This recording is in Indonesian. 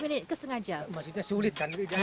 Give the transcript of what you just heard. maksudnya sulit kan